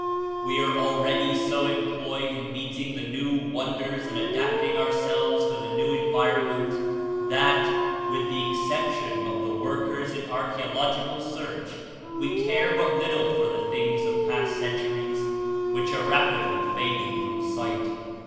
We arc al ready so employed in meeting the new wonders and adapting ourselves to the new environment, that (with the exception of the workers In archaeological search) we care but little for the things of past centuries, which are rapidly fading from sight.